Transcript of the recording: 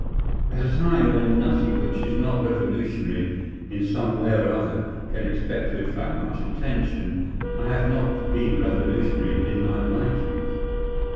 At a time when nothing which is not revolutionary in some way or other can expect to attract much attention I have not been revolutionary in my writings.